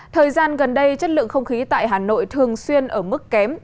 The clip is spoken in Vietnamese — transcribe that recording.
thời gian gần đây chất lượng không khí tại hà nội thường xuyên ở mức kém